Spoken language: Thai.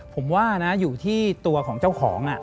ผมว่านะอยู่ที่ตัวของเจ้าของ